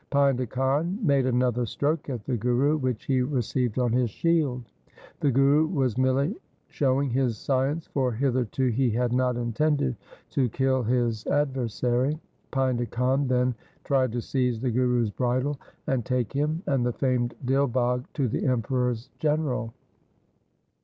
Painda Khan made another stroke at the Guru, which he received on his shield. The Guru was merely showing his science, for hitherto he had not intended to kill his adversary. Painda Khan then tried to seize the Guru's bridle, and take him and the famed Dil Bagh to the Emperor's general.